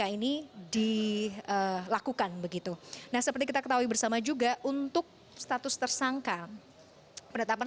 ini dilakukan begitu nah seperti kita ketahui bersama juga untuk status tersangka penetapan